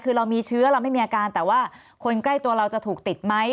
คือเรามีเชื้อเราไม่มีอาการแต่ว่าคนใกล้ตัวเราจะถูกติดไหม